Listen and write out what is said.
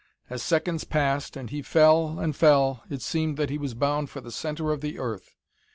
As seconds passed and he fell and fell, it seemed that he was bound for the center of the earth.